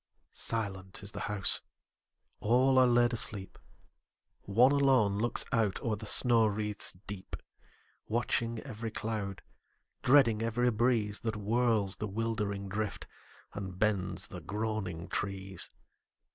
Silent is the house: all are laid asleep: One alone looks out o'er the snow wreaths deep, Watching every cloud, dreading every breeze That whirls the wildering drift, and bends the groaning trees.